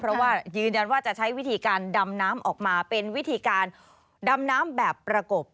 เพราะว่ายืนยันว่าจะใช้วิธีการดำน้ำออกมาเป็นวิธีการดำน้ำแบบประกบ